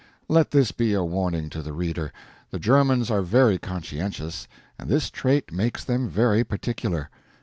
Let this be a warning to the reader. The Germans are very conscientious, and this trait makes them very particular.